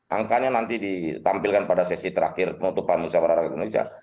angkanya nanti ditampilkan pada sesi terakhir penutupan musyawarah rakyat indonesia